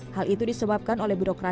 hal itu disebabkan oleh birokrasi